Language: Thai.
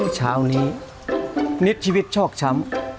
เช้านี้นิดชีวิตชอกช้ำ